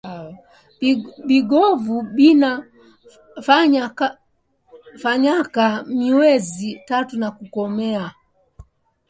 Bingovu bina fanyaka myezi tatu pa kukomea